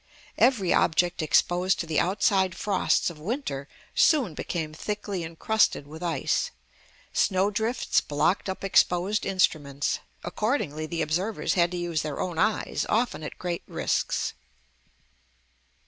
Every object exposed to the outside frosts of winter soon became thickly incrusted with ice. Snowdrifts blocked up exposed instruments. Accordingly, the observers had to use their own eyes, often at great risks.